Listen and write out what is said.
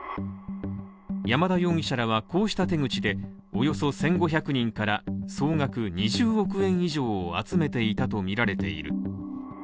山田容疑者らはこうした手口でおよそ１５００人から総額２０億円以上を集めていたとみられている。